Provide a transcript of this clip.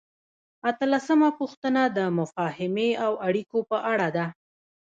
اتلسمه پوښتنه د مفاهمې او اړیکو په اړه ده.